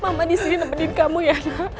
mama disini nempelin kamu ya